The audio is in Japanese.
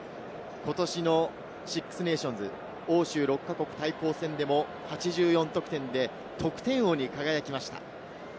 ことしのシックスネーションズ、欧州６か国対抗戦でも８４得点で得点王に輝きました。